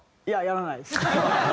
いややらないです。